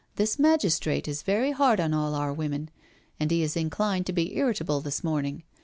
This magistrate is very hard on all our women, and he is inclined to be irritable this morning.